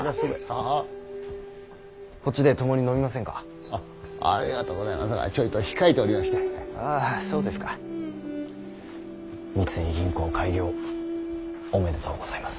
あぁそうですか。三井銀行開業おめでとうございます。